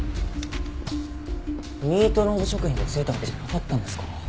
ミートノーブ食品で付いたわけじゃなかったんですか。